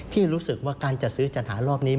ที่รู้สึกว่าการจัดซื้อจัดหารอบนี้